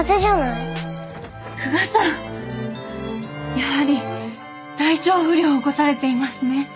やはり体調不良を起こされていますね。